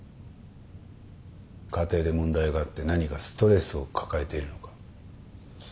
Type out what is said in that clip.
家庭で問題があって何かストレスを抱えているのか？